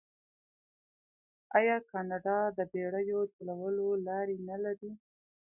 آیا کاناډا د بیړیو چلولو لارې نلري؟